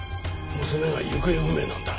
娘が行方不明なんだ。